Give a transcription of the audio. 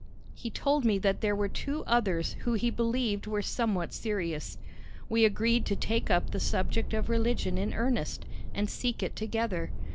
He told me that there were two others who he believed were somewhat serious. We agreed to take up the subject of religion in earnest, and seek it together.